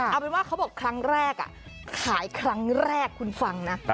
เอาเป็นว่าเขาบอกครั้งแรกขายครั้งแรกคุณฟังนะ